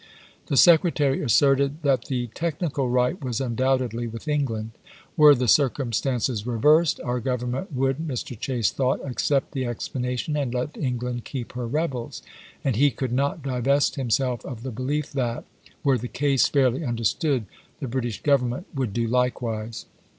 The Secre tary asserted that the technical right was undoubtedly with England. .. Were the circumstances reversed, our Government would, Mr. Chase thought, accept the ex planation, and let England keep her rebels ; and he could not divest himself of the belief that, were the case fairly understood, the British Government would do likewise.